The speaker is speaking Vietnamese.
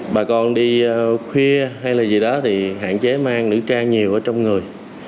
bà con đi khuya hay là gì đó thì hạn chế mang nữ trang nhiều ở trong người